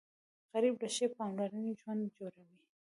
غریب له ښې پاملرنې ژوند جوړوي